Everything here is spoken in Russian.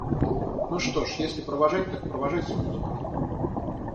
– Ну что ж, если провожать, так провожать с музыкой.